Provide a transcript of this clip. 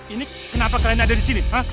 ini kenapa kalian ada di sini pak